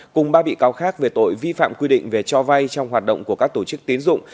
cùng ba bị cáo khác về tội vi phạm quy định về cho vay trong hoạt động của các tổ chức tiến dụng